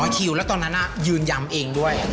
คิวแล้วตอนนั้นยืนยำเองด้วย